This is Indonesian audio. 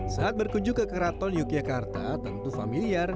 saat berkunjung ke keraton yogyakarta tentu familiar